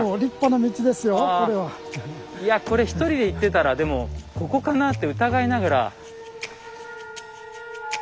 いやこれ１人で行ってたらでもここかなって疑いながら。